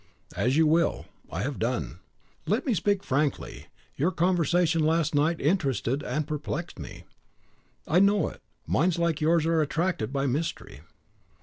"As you will; I have done." "Let me speak frankly, your conversation last night interested and perplexed me." "I know it: minds like yours are attracted by mystery."